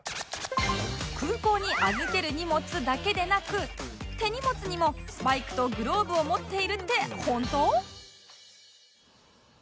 空港に預ける荷物だけでなく手荷物にもスパイクとグローブを持っているって本当？